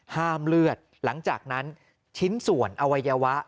ห้ามเลือดหลังจากนั้นชิ้นส่วนอวัยวะ